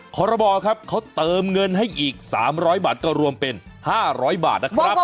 ขอรบครับเขาเติมเงินให้อีก๓๐๐บาทก็รวมเป็น๕๐๐บาทนะครับ